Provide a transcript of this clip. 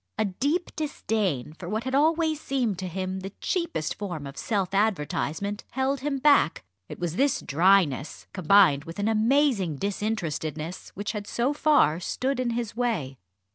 A deep disdain for what had always seemed to him the cheapest form of self advertisement, held him back. It was this dryness, combined with an amazing disinterestedness, which had so far stood in his way.